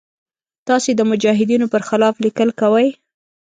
تاسې د مجاهدینو پر خلاف لیکل کوئ.